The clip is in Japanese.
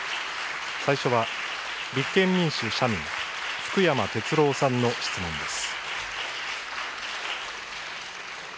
最初は立憲民主・社民、福山哲郎さんの質問です。